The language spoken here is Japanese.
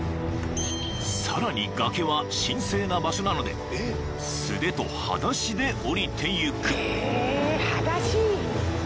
［さらに崖は神聖な場所なので素手とはだしでおりていく］